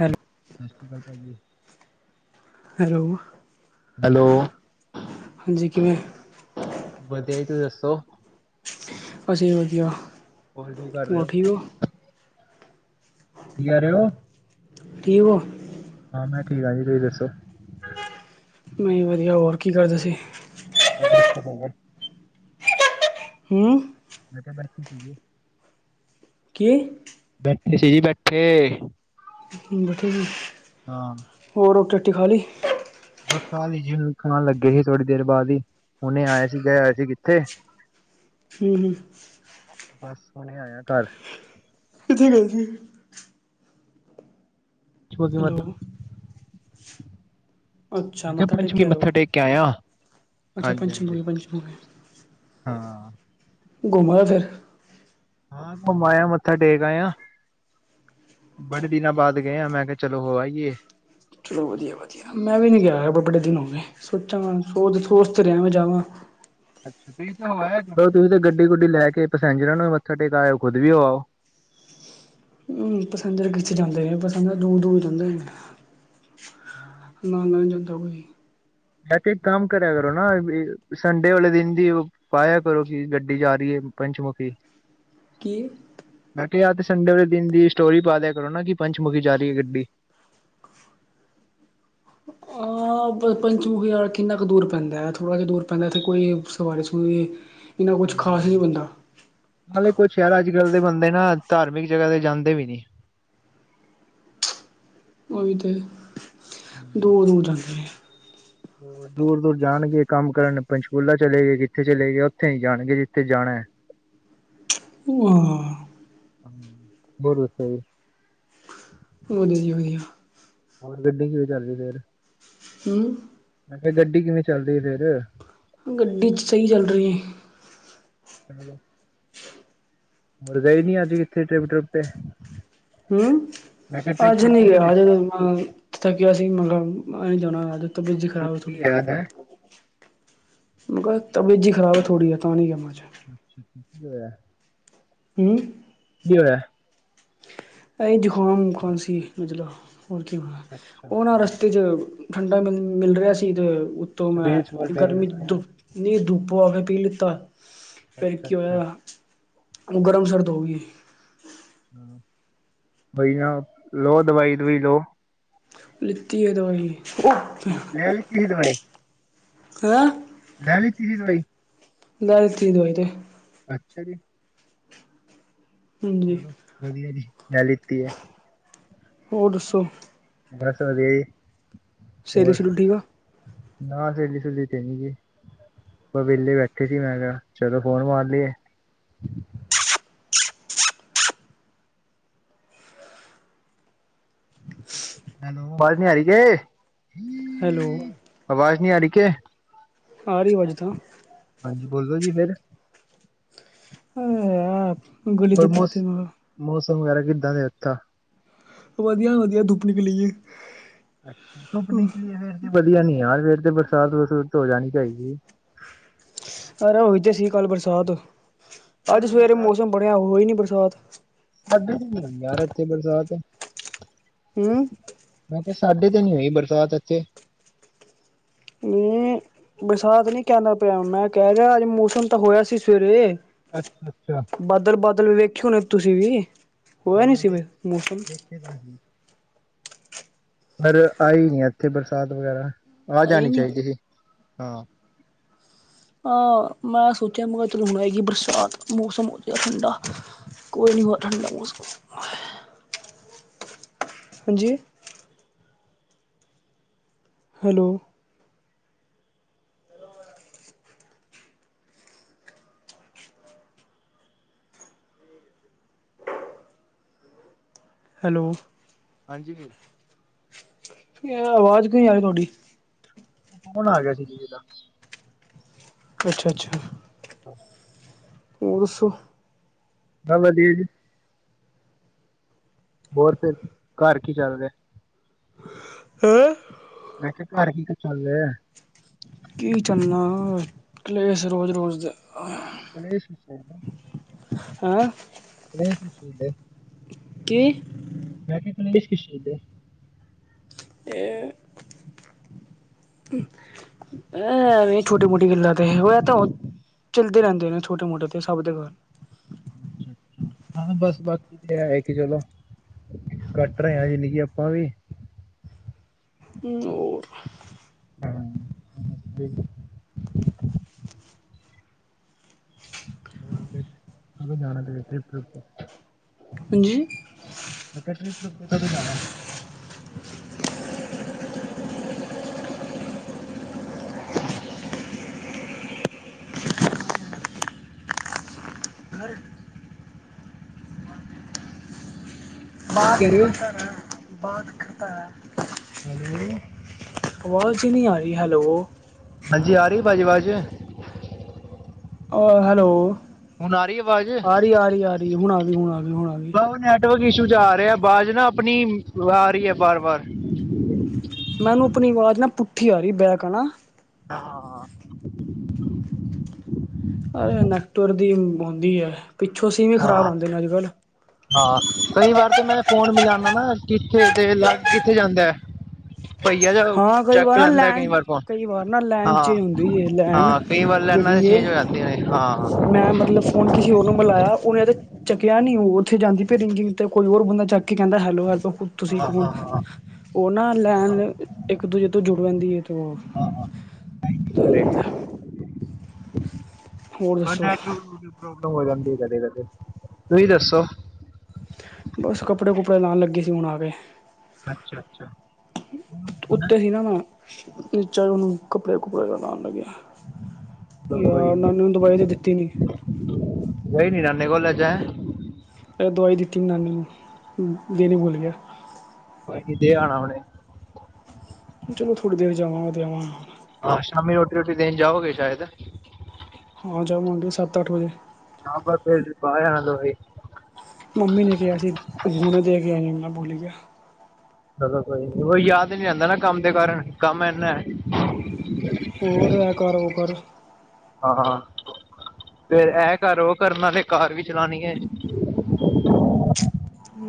Hello ਸਸ ਸ਼੍ਰੀ ਅਕਾਲ ਭਾਜੀ। ਹੈਲੋ। ਹੈਲੋ। ਹਾਂਜੀ ਕਿਵੇਂ। ਵਧੀਆ ਈ ਤੁਸੀਂ ਦੱਸੋ। ਅਸੀਂ ਵੀ ਵਧੀਆ। ਤੁਸੀਂ ਕੀ ਕਰ ਰਏ ਹੋਰ ਓ, ਠੀਕ ਹੋ ਕੀ ਕੈਹ ਰਏ ਓ। ਠੀਕ ਓ। ਹਾਂ ਮੈਂ ਠੀਕ ਆਂ ਜੀ ਤੁਸੀਂ ਦੱਸੋ। ਮੈਂ ਵਦੀਆ ਹੋਰ ਕੀ ਕਰਦੇ ਸੀ। [inaudible] ਹੂਂ। ਮੈਂ ਕੇਆ ਬੈਠੀ ਸੀ ਐ। ਕੇ। ਬੈਠੀ ਸੀ ਜੀ ਬੈਠੇ। ਹੂਂ ਬੈਠੇ ਸੀ। ਹਾਂ। ਹੋਰ ਰੋਟੀ ਰਾਟੀ ਖਾਲੀ। ਬ ਖਾਲੀ ਜੀ ਹੁਣ ਖਾਣ ਲੱਗੇ ਸੀ ਥੋੜੀ ਦੇਰ ਬਾਦ ਈ ਹੁਣੇ ਆਇਆ ਸੀ ਗਏ ਹੋਏ ਸੀ ਕਿੱਥੇ। ਹੂਂ-ਹੂਂ। ਬਸ ਹੁਣੇ ਆਇਆ ਘਰ। ਕਿੱਥੇ ਗਏ ਸੀ? ਛੋਜੀ ਮਤ। ਹੈਲੋ ਅੱਛਾ ਮੈ ਕੇਆ ਮੱਥਾ ਟੇਕ ਕੇ ਪੰਚਮੀ ਆਏ ਹੋ ਮੱਥਾ ਟੇਕ ਕੇ ਆਇਆਂ, ਅੱਛਾ ਹਾਂਜੀ-ਹਾਂਜੀ। ਪੰਚਮੁਖੀ ਪੰਚਮੁਖੀ ਹਾਂ। ਘੁੰਮ ਆਏ ਫੇਰ। ਹਾਂ ਘੁੰਮ ਆਏਆਂ ਮੱਥਾ ਟੇਕ ਆਏਆਂ। ਬੜੇ ਦਿਨਾਂ ਬਾਦ ਗਏ ਆਂ, ਮੈਂ ਕੇਆ ਚਲੋ ਹੋ ਆਈਏ। ਚਲੋ ਵਧੀਆ ਵਧ ਮੈਂ ਵੀ ਨੀ ਗਿਆ ਬ ਬਡੇ ਦਿਨ ਹੋ ਗਏ ਸੋਚਾਂ ਸ ਸੋਚ ਰੇਆਂ ਵਾਂ ਜਾਵਾਂ। ਅੱਛ ਤੁਸੀਂ ਤੇ ਹੋ ਆਏ, ਤੁਸੀਂ ਤੇ ਗੱਡੀ ਗੁੱਡੀ ਲੈ ਕੇ ਪੈਸੇਜਰਾਂ ਨੂੰ ਮੱਥਾ ਟੇਕਾ ਆਓ ਖੁਦ ਵੀ ਹੋ ਆਓ। ਹੂਂ ਪਸੈਂਜਰ ਕਿੱਖੇ ਜਾਂਦੇ ਨੇ, ਪਸੈਂਜਰ ਦੂਰ-ਦੂਰ ਜਾਂਦੇ ਨੇ। ਨਾ ਨਾ ਜਾਂਦਾ ਕੋਈ। ਐਤੇ ਇੱਕ ਕੰਮ ਕਰਿਆ ਕਰੋ ਨਾ ਤੁਸੀਂ, ਸੰਡੇ ਵਾਲੇ ਦਿਨ ਦੀ ਓ ਪਾਇਆ ਕਰੋ ਕਿ ਗੱਡੀ ਜਾ ਰੀ ਏ ਪੰਚਮੁਖੀ। ਕੀ? ਮੈਂ ਕੇਆ ਯਾਰ ਤੇ ਸੰਡੇ ਵਾਲੇ ਦਿਨ ਦੀ ਸਟੋਰੀ ਪਾ ਦੇਆ ਕਰੋ ਨਾ, ਕਿ ਪੰਚਮੁਖੀ ਜਾ ਰੀ ਹੈ ਗੱਡੀ। ਹਾਂ ਬਸ ਪੰਚਮੁਖੀ ਯਾਰ ਕਿੰਨਾ ਕੁ ਦੂਰ ਪੈਂਦੈਂ, ਥੋੜ੍ਹਾ ਜੇਹਾ ਦੂਰ ਪੈਂਦੈਂ ਇੱਥੇ ਕੋਈ। ਦੇ ਵਾਰੇ ਸੁਣਦੇ, ਇੰਨਾ ਕੁਛ ਖਾਸ ਨੀ ਬਣਦਾ। ਨਾਲੇ ਕੁਛ ਯਾਰ ਅੱਜ-ਕੱਲ ਦੇ ਬੰਦੇ ਨਾ ਧਾਰਮਿਕ ਜਗਾ ਤੇ ਜਾਂਦੇ ਵੀ ਨੀ। ਓ ਵੀ ਤੇ, ਦੂਰ-ਦੂਰ ਜਾਂਦੇ ਨੇ। ਦੂਰ-ਦੂਰ ਜਾਣਗੇ ਕੰਮ ਕਰਨ, ਪੰਚਕੂਲਾ ਚਲੇ ਗਏ, ਕਿੱਥੇ ਚਲੇ ਗਏ, ਓੱਥੇ ਨੀ ਜਾਣਗੇ ਜਿੱਥੇ ਜਾਣੈ। ਪੂਆ। ਹੂੰ ਹੋਰ ਦਸੋਂ ਜੀ। ਵਧੀਆ ਜੀ ਵਧੀਆ। ਹੋਰ ਗੱਡੀ ਕਿਵੇਂ ਚੱਲਦੀ ਫੇਰ? ਹੂੰ ਮੈਂ ਕਿਹਾ ਗੱਡੀ ਕਿਵੇਂ ਚੱਲਦੀ ਫੇਰ? ਗੱਡੀ ਚ ਸਈ ਚੱਲ ਸਈ ਐ। ਹੇਲੋ ਹੋਰ ਗਏ ਨੀ, ਅੱਜ ਕਿੱਥੇ ਟ੍ਰਿਪ-ਟ੍ਰਿੱਪ ਤੇ? ਹੂੰ, ਮੈਂ ਕਿਹਾ ਟ੍ਰਿਪ ਅੱਜ ਟ੍ਰਿਪ ਨੀ ਤੇ ਗੇ ਗਏ ਅੱਜ ਥੱਕਿਆ ਸੀ ਮੈ ਕਿਆ ਨੀ ਜਾਣਾ ਅੱਜ। ਤਬੀਅਤ ਜੀ ਖਰਾਬ ਐ ਥੋੜੀ। ਛੁੱਟੀ ਹੈ ਅੱਜ ਹੈਂ। ਕਿਆ ਤਬਿਅਤ ਜੀ ਖਰਾਬ ਐ ਥੋੜੀ ਅੱਜ ਤਾਂ ਨਹੀਂ ਗਿਆ ਮੈ ਅੱਜ ਅੱਛਾ, ਅੱਛਾ ਕੀ ਹੋਇਆ ਐ। ਹੂੰ ਕੀ ਹੋਇਆ ਐ। ਇਹ ਜ਼ੁਕਾਮ, ਖ਼ਾਂਸੀ, ਨਜਲਾ। ਹੋਰ ਕੀ ਹੋਣਾ, ਉਹ ਨਾ ਰਸਤੇ 'ਚ ਠੰਡਾ ਗਮ ਮਿਲ ਰਿਹਾ ਸੀ ਤੇ ਉ ਤ ਮੈਂ ਗਰਮੀ ਦੁ ਨਹੀਂ ਧੁੱਪੋ ਫਿਰ ਪੀ ਲਿੱਤਾ। ਫਿਰ ਕੀ ਹੋਇਆ ਉਹ ਗਰਮ- ਸ਼ਰਦ ਹੋ ਗਈ। ਬਈ ਨਾ, ਲੋ ਦਵਾਈ-ਦੁਈ ਲੋ। ਲਿੱਤੀ ਐ ਦਵਾਈ। ਲੈ ਲਿੱਤੀ ਦਵਾਈ। ਹੈਂ। ਲੈ ਲਿਤੀ ਸੀ ਦਵਾਈ। ਲੈ ਲਿੱਤੀ ਦਵਾਈ ਤੇ ਅੱਛਾ ਜੀ। ਹਾਂਜੀ ਚਲੋ ਵਧੀਆ ਜੀ, ਲੈ ਲਿੱਤੀ ਐ। ਹੋਰ ਦੱਸੋ। ਬਸ ਵਧੀਆ ਜੀ, ਸਹੇਲੀ ਹੋਰ ਸਹੂਲੀ ਠੀਕ ਆ ਨਾ ਸਹੇਲੀ -ਸੁਲੀ ਤੇ ਨੀਗੀ। ਬਸ ਵਿਹਲੇ ਬੈਠੇ ਸੀ, ਮੈਂ ਕਿਹਾ ਚਲੋ ਫੋਨ ਮਾਰ ਲਈਏ। ਹੈਲੋ, ਅਵਾਜ਼ ਨੀ ਆਰੀ ਕਿ? ਹੈਲੋ। ਆਵਾਜ਼ ਨਹੀਂ ਆ ਰਹੀ ਕਿ? ਆ ਰੀ ਅਵਾਜ ਤਾਂ। ਹਾਂਜੀ ਬੋਲੋ ਜੀ ਫੇਰ। ਔ ਯਾਰ ਗਲੀ ਹੋਰ ਦ ਕੁੱਤੇ ਮੌਸ ਨੇ ਮੌਸਮ ਵਗੈਰਾ ਕਿੱਦਾਂ ਦੇ ਉਥੇ। ਵਧੀਆ ਵਧੀਆ ਦੁੱਪ ਨਿਕਲੀ ਏ। ਅੱਛਾ, ਧੁੱਪ ਫਰ ਤੇ ਵਧੀਆ ਨੀ ਆ। ਫੇਰ ਤੇ ਬਰਸਾਤ- ਬਰਸੂਤ ਹੋ ਜਾਣੀ ਚਾਹੀਦੀ ਐ। ਆਰੇ ਉਹੀ ਤੇ ਸੀ ਕੱਲ ਬਰਸਾਤ। ਅੱਜ ਕੱਲ ਸਵੇਰੇ ਬਰਸਾਤ ਮੌਸਮ ਬਣਿਆ ਹੋਈ ਨੀ ਬਰਸਾਤ। ਸਾਡੇ ਨੀ ਹੋ ਰਹੀ ਯਾਰ ਇੱਥੇ ਬਰਸਾਤ। ਹੂੰ। ਮੈਂ ਕਿਹਾ ਸਾਡੇ ਤੇ ਨੀ ਹੋਈ ਬਰਸਾਤ ਇੱਥੇ। ਨਹੀਂ ਬਰਸਾਤ ਨਹੀਂ ਕਹਿੰਦਾ ਪਿਆ, ਮੈਂ ਕਹਿ ਰਿਹਾ ਅੱਜ ਮੌਸਮ ਤਾਂ ਹੋਇਆ ਸੀ ਸਵੇਰੇ ਅੱਛਾ, ਅੱਛਾ। ਬਾਦਲ -ਬਾਦਲ ਵੇਖੇ ਹੋਣੇ ਨੇ ਤੁਸੀਂ ਵੀ? ਹੋਇਆ ਨੀ ਹਾਂ ਸੀ ਦੇਖ- ਮੌਸਮ ਦੇਖੇ ਤਾਂ ਸੀ। ਪਰ ਆਈ ਨੀ ਆ ਇੱਥੇ ਬਰਸਾਤ ਵਗੈਰਾ। ਆ ਆਈ ਜਾਣੀ ਨੀ ਚਾਹੀਦੀ ਸੀ, ਹਾਂ। ਹਾਂ ਮੈਂ ਸੋਚਿਆ ਮੈਂ ਕਿਹਾ ਚਲੋ ਹੋ ਆਏਗੀ ਬਰਸਾਤ ਮੌਸਮ ਹੋ ਗਿਆ ਠੰਡਾ। ਕੋਈ ਨੀ ਹੋਇਆ ਠੰਡਾ ਮੌਸਮ, ਹਾਂਜੀ ਹੈਲੋ, ਹੈਲੋ, ਹਾਂਜੀ ਵੀਰ ਜ- ਕਿ ਏ ਆਵਾਜ਼ ਕਿਉਂ ਨੀ ਆ ਰੀ ਤੁਹਾਡੀ। ਫੋਨ ਆ ਗਿਆ ਸੀ ਕਿਸੀ ਦਾ, ਅੱਛਾ- ਅੱਛਾ। ਹਾਂ ਉ ਰਸੁ ਬ ਵਧੀਆ ਜੀ। ਹੋਰ ਫੇਰ ਘਰ ਕੀ ਕਰ ਰਹੇ ਨੇ। ਹੈਂ? ਮੈਂ ਕਿਹਾ ਘਰ ਕੀ ਕਰ ਚੱਲ ਲੈਂ ਆ ਹੈ। ਕੀ ਚੱਲਨਾ ਕਲੇਸ ਰੋਜ਼- ਰੋਜ਼ ਦੇ। ਕਲੇਸ਼ ਕਿਸ ਗੱਲ ਦਾ। ਹਾਂ? ਨਹੀ ਤੁ ਸੀਦੇ। ਕਿ? ਮੈਂਨ ਬ ਖੁਸ਼ਦੇ [unintelligible] ਇਹ [unintelligible] ਐ ਵੀ ਛੋਟੀ- ਮੋਟੀ ਗੱਲਾ ਤੇ, ਹੋ ਜਾਤਾ ਹੁਨ, ਚੱਲਦੇ ਰਹਿੰਦੇ ਨੇ ਛੋਟੇ- ਮੋਟੇ ਤੇ ਸਭ ਦੇ ਘਰ। ਅੱਛਾ- ਅੱਛਾ ਹ ਬਸ ਬਾਕੀ ਤੇ ਹੈ ਕਿ ਚਲੋ। ਕੱਟ ਰਹੇ ਆ ਜਿੰ ਦ ਗੀ ਆਪਾਂ ਵੀ। ਹੂੰ ਬੋਹਤ, ਹੂੰ ਠੀਕ ਏ। ਹੋਰ ਫੇਰ ਕਦੋਂ ਜਾਣਾ ਤੁਸੀਂ ਟਰਿਪ ਦੇ ਉਪਰ। ਹਾਂਜੀ। ਮੈਂ ਕਿਹਾ ਟ੍ਰਿਪ ਟਪ ਤੇ ਕਦੋਂ ਜਾਣਾ ਏ। ਘਰ [unintelligible] ਕੀ ਬਾਤ ਕਹਿ ਰਹੇ ਹੋ? ਕਰਤਾ ਰਖਨਾ, ਬਾਤ ਖਤਰਾ ਐ ਹੈਲੋ ਆਵਾਜ਼ ਹੀ ਨਹੀਂ ਆ ਰਹੀ, ਹੈਲੋ ਹਾਂਜੀ ਆ ਰਹੀ ਏ ਭਾਜੀ ਬਾਜ? ਓ ਹੈਲੋ ਹੁਣ ਆ ਰਹੀ ਆਵਾਜ਼ ਆ ਰਹੀ ਆ ਰਹੀ ਆ ਰਹੀ ਹੁਣ ਆ ਗਈ ਹੁਣ ਆ ਗਈ ਹੁਣ ਆ ਗਈ ਨੈਟਵਰਕ ਇਸ਼ੂ ਚ ਆ ਰਿਹਾ ਆਵਾਜ਼ ਨਾ ਆਪਣੀ ਆ ਰਹੀ ਹੈ ਬਾਰ- ਬਾਰ ਮੈਨੂੰ ਆਪਣੀ ਆਵਾਜ਼ ਨਾ ਪੁੱਠੀ ਆ ਰਹੀ, ਬੈਕ ਹ ਨਾ ਹਾਂ ਅਰੇ ਨੈੱਟਵਰਕ ਦੀ ਆਉਂਦੀ ਹੈ ਪਿੱਛੋਂ ਸਿੰਮ ਹੀ ਖਰਾਬ ਹਾਂ ਆਉਂਦੇ ਨੇ ਅੱਜ ਕੱਲ। ਹਾਂ ਕਈ ਵਾਰ ਤੇ ਮੈਂ ਫੋਨ ਮਿਲਾਉਣਾ ਨਾ ਕਿੱਥੇ, ਤੇ ਅੱਗ ਕਿੱਥੇ ਜਾਂਦਾ ਹੈ। ਭਈਆ ਜਾ ਹਾਂ ਕਈ ਚੈੱਕ ਵਾਰ ਨਾ ਲੈਂਦਾ ਕਈ ਲੈਣ ਵਾਰ ਫੋਣ ਕਈ ਵਾਰ ਨਾ ਲੈਣ ਹਾਂ-ਹਾਂ, ਚ ਹੁੰਦੀ ਹੈ ਲੈਣ ਹਾਂ-ਹਾਂ। ਕਈ ਵੱਲ ਲੈਨਾ ਤੇ ਜਿਹੜੀ ਇਹ ਚੇਂਜ ਹੋ ਜਾਂਦੀ ਨੇ ਹਾਂ। ਮੈਂ ਮਤਲਬ ਫੋਨ ਕਿਸੇ ਹੋਰਨੂੰ ਮਿਲਾਇਆ ਓਨੇ ਤੇ ਚੱਕਆ ਨੀ ਓ ਓਥੇ ਜਾਂਦੀ ਪੀ ਏ ਫੇਰ ਰਿੰਗਿੰਗ ਤੇ ਕੋਈ ਹੋਰ ਬੰਦਾ ਚੱਕ ਕੇ ਕੇਂਦਾ ਹੈਲੋ ਹੈਲੋ। ਤੁਸੀ ਹਾਂ ਕੌਨ ਹਾਂ ਹਾਂ, ਓ ਨਾ ਹਾਂ ਲੈਨ ਇੱਕ ਦੂਜੇ ਤੋ ਜੁੜ ਲੈਂਦੀ ਐ। ਓ ਹਾਂ ਤਵੀ ਤਾਵ ਹੋਰ ਬਸ ਦੱਸੋ ਨੈੱਟਵਰਕ ਪ੍ਰੌਬਲਮ ਹੋ ਜਾਂਦੀ ਐ ਕਦੇ ਕਦੇ ਤੁਸੀ ਦੱਸੋ? ਬਸ ਕਪੜੇ ਕੁੱਪੜੇ ਲਾਨ ਲੱਗੇ ਸੀ ਹੁਣ ਆ ਗਏ। ਅੱਛਾ ਅੱਛਾ ਉੱਤੇ ਸੀ ਨਾ ਮੈਂ। ਚਲ ਓਨੂੰ ਕੱਪੜੇ-ਕੁੱਪੜੇ ਦਾ ਅਰਾਮ ਮਿਲਆ। ਯਾਰ ਨਾਨੀ ਨੂੰ ਦਵਾਈ ਤੇ ਦਿੱਤੀ ਨੀ ਗਯੇ ਨੀ ਨਾਂਨੇ ਕੋਲ ਅੱਜ ਐ? ਦਵਾਈ ਦਿੱਤੀ ਨੀ ਨਾਨੀ ਨੂੰ ਦੇਨੀ ਪੁਲ ਗਿਆ ਦੇ ਆਣਾ ਹੁਣੇ ਚਲੋ ਥੋੜੀ ਦੇਰ ਜਾਵਾਂਗਾ ਦੇ ਆਵਾਗਾ। ਅ ਸ਼ਾਮੀ ਰੋਟੀ-ਰੋਟੀ ਦੇਨ ਜਾਓਗੇ ਸ਼ਾਇਦ ਹਾਂ ਜਾਵਾਂਗੇ ਸਤ ਅਠ ਵਜੇ। ਹਾਂ ਬਸ [unintelligible] ਮੰਮੀ ਨੇ ਕਆ ਸੀ ਹੁਣੇ ਜਾ ਕੇ ਆਈ ਮੈਂ ਪੁਲ ਗਆ। ਚਲੋ ਕੋਈ ਓ ਯਾਦ ਨੀ ਰੇਂਦਾ ਨਾ ਕੰਮ ਦੇ ਕਾਰਣ ਕੰਮ ਐਨਾ ਐ। ਹੋਰ ਐ ਕਰ ਓ ਕਰ। ਹਾਂ ਫੇਰ ਐ ਕਰ ਓ ਕਰ ਕਾਰ ਵੀ ਚਲਾਨੀ ਏ।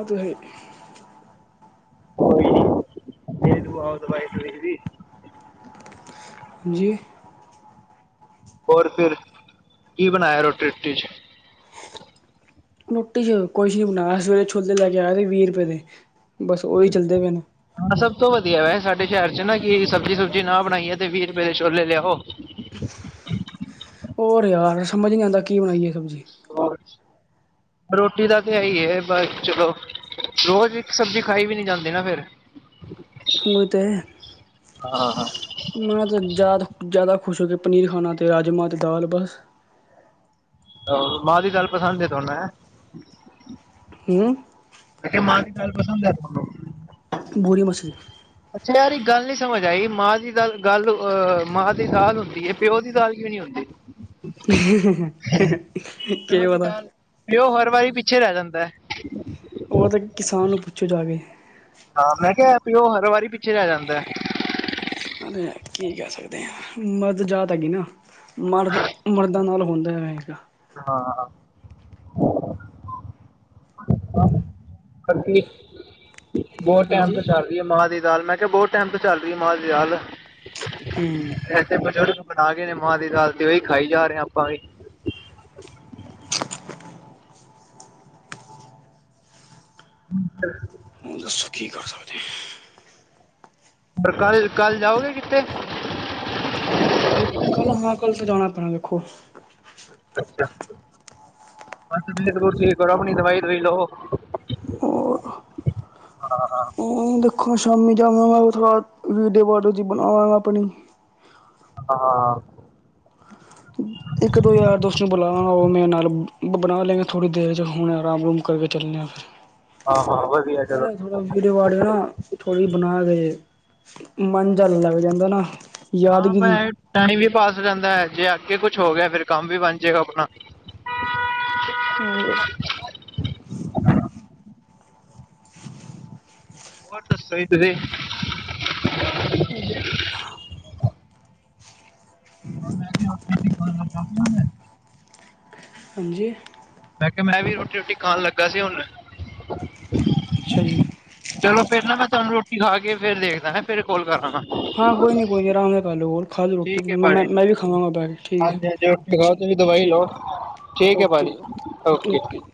ਓ ਤੇ ਹੈ ਈ। [inaudible] ਲਾਇਬ੍ਰੇਰੀ। ਹਾਂਜੀ। ਹੋਰ ਫਿਰ ਕੀ ਬਨਾਆ ਰੋਟੀ ਰੁਟੀ ਚ? ਰੋਟੀ ਚ ਕੁਛ ਨੀ ਬਨਾਯਾ ਸਵੇਰੇ ਛਲੇ ਲੈ ਕੇ ਆਏ ਸੀ ਵੀ ਰੁਪੇ ਦੇ ਬਸ ਓਹੀ ਚੱਲਦੇ ਪੇ ਨੇ। ਹਾਂ ਸਭ ਤੋ ਵਧੀਆ ਐ ਸਾਡੇ ਸ਼ੇਰ ਚ ਨਾ ਕਿ ਸਬਜੀ ਸੁਬਜੀ ਨਾ ਬਨਾਈਏ ਤੇ ਵੀ ਰੁਪੇ ਦੇ ਛੋਲੇ ਲਿਆਓ। ਹੋਰ ਯਾਰ ਸਮਝ ਈ ਨੀ ਆਂਦਾ ਕੀ ਬਨਾਈਏ ਸਬਜੀ। ਰੋਟੀ ਦਾ ਤੇ ਐ ਈ ਏ ਬਸ ਚਲੋ ਰੋਜ ਇੱਕ ਸਬਜੀ ਖਾਈ ਵੀ ਨੀ ਜਾਂਦੀ ਨਾ ਫੇਰ। ਓ ਤੇ ਹਾਂ ਮੈਂ ਤੇ ਜਾਦਾ ਜਾਦਾ ਖੁਸ਼ ਹੋ ਕੇ ਪਨੀਰ ਖਾਨਾ ਤੇ ਰਾਜਮਾ ਤੇ ਦਾਲ ਬਸ ਹਾ ਮਾਂ ਦੀ ਦਾਲ ਪਸੰਦ ਏ ਤਾਨੂੰ ਐ? ਹੂੰ। ਮੈਂ ਕਯਾ ਮਾਂ ਦੀ ਦਾਲ ਪਸੰਦ ਏ ਤੁਆਨੂੰ? ਗੋਰੀ ਮਾਸੀ। ਅੱਛਾ ਯਾਰ ਇਕ ਗੱਲ ਨੀ ਸਮਝ ਆਈ ਮਾਂ ਦੀ ਦਾਲ ਗੱਲ ਅ, ਮਾਂ ਦੀ ਦਾਲ ਹੁੰਦੀ ਏ ਪਿਓ ਦੀ ਦਾਲ ਕਯੋ ਨੀ ਹੁੰਦੀ? ਪਿਓ ਕੇ ਦੀ ਪਤਾ। ਦਾਲ ਪਿਓ ਹਰ ਵਰੀ ਪਿੱਛੇ ਰੇ ਜਾਂਦਾ ਐ। ਓ ਤੇ ਕਿਸਾਨ ਨੂੰ ਪੁੱਛੋ ਜਾ ਕੇ। ਹਾਂ ਮੈਂ ਕਯਾ ਐ ਪਿਓ ਹਰ ਵਾਰੀ ਪਿੱਛੇ ਰੇ ਜਾਂਦਾ ਐ। ਅਰੇ ਅ ਕੀ ਕੇ ਸਕਦੇ ਆ ਮਰਦ ਜਾਤ ਹੈਗੀ ਨਾ ਮਰਦ ਮਰਦਾ ਨਾਲ ਹੁੰਦਾ ਰਯੇਗਾ। ਹਾਂ। ਕਦੀ ਬੋਅ ਟਾਈਮ ਹਾਂਜੀ ਤੋਂ ਚੱਲ ਰਈ ਮਾਂਅ ਦੀ ਦਾਲ ਮੈਂ ਕਿਹਾ ਬਹੁਤ ਟਾਈਮ ਤੋਂ ਚੱਲ ਰਈ ਆ ਮਾਅ ਦੀ ਦਾਲ ਹੂੰ ਤੇ' ਬਜ਼ੁਰਗ ਬਣਾ ਗਏ ਨੇ ਮਾਅ ਦੀ ਦਾਲ ਤੇ ਉਹੀ ਖਾਈ ਜਾ ਰੈਹ ਹਾਂ ਆਪਾਂ ਵੀ [inaudible] ਹੂੰ ਹੁਨ ਦੱਸੋ ਕਿ ਕਰ ਸਕਦੇ ਆ ਪਰ ਕੱਲ-ਕੱਲ ਜਾਓਗੇ ਕਿੱਥੇ ਕੱਲ-ਕੱਲ ਹਾਂ ਕੱਲ ਤੋਂ ਜਾਣਾ ਪੈਣਾ ਦੇਖੋ ਅੱਛਾ, ਜ਼ਰੂਰ ਠੀਕ ਕਰੋ ਆਪਣੀ ਦਵਾਈ ਦੇਖ ਲੋ ਹਾਂ ਦੇਖਾਂ ਸ਼ਾਮੀ ਜਾਵਗਾ ਵੀਡੀਓ-ਵੱਡਿਓ ਜੀ ਬਣਾਵਾਂਗਾ ਆਪਣੀ ਹਾਂ-ਹਾਂ ਇੱਕ-ਦੋ ਯਾਰ ਦੋਸਤ ਨੂੰ ਬੁਲਾਵਾਂਗਾ ਓ ਮੇਰੇ ਨਾਲ ਬਣਾ ਲੈਂਗੇ ਥੋੜ੍ਹੀ ਦੇਰ ਚ' ਹੁਨ ਆਰਾਮ-ਰੂਮ ਕਰਕੇ ਚੱਲਣੇ ਆ ਹ ਫਿਰ [inaudible] ਅਰੇ [unintelligible] ਆਪਾਂ ਵੀਡੀਓ-ਵਾਡੀਓ ਨਾ ਥੋੜੀ ਬਣਾ ਕੇ ਮਨ ਜਾਂ ਲੱਗ ਜਾਂਦਾ ਨਾ। ਹਾਂ ਯਾਦਗਿਰੀ ਭੈ ਟਾਈਮੀ ਵੀ ਪਾਸ ਹੋ ਜਾਂਦਾ ਆ ਜੇ ਅ ਕੇ ਕੁਛ ਹੋ ਗਿਆ ਫੇਰ ਕੰਮ ਵੀ ਬਣ ਜੇਗਾ ਆਪਨਾ ਹੋਰ ਹੋਰ ਦੱਸੋ ਜੀ ਤੁਸੀਂ। ਭਾਜੀ ਵਧੀਆ। ਹੁਨ ਮੈਂ ਵੀ, ਹੁਨ ਮੈਂ ਵੀ ਖਾਣ ਲੱਗਾ ਸੀ ਨਾ ਮੈਂ। ਹਾਂਜੀ ਮੈਂ ਕੇਆ ਮੈਂ ਵੀ ਰੋਟੀ-ਰੁਟੀ ਖਾਨ ਲੱਗਾ ਸੀ ਹੁਨ। ਅੱਛਾ ਜੀ। ਚਲੋ ਫੇਰ ਨਾ ਮੈਂ ਤਾਨੂੰ ਰੋਟੀ ਖਾ ਕੇ ਫੇਰ ਦੇਖਦਾ ਫੇਰ ਕੌਲ ਕਰਲਾ ਗਾ। ਹਾਂ ਕੋਈ ਨੀਂ ਕੋਈ ਨੀ ਆਰਾਮ ਨਾਲ ਕਰਲੋ ਕੌਲ ਖਾ ਲੋ ਰੋਟੀ ਠੀਕ ਹੈ ਮੈਂ ਮੈਂ ਭਾਜੀ ਮੈਂ ਵੀ ਖਾਵਾਂਗਾ ਪੈ ਕੇ ਠੀਕ ਹਾਂਜੀ ਹਾਂਜੀ ਏ ਰੋਟੀ ਖਾਓ ਠੀਕ ਤੁਸੀਂ ਦਵਾਈ ਲਓ ਠੀਕ ਏ ਠੀਕ ਹੈ ਓਕੇ ਭਾਜੀ ਜੀ ਓ ਓਕੇ ਜੀ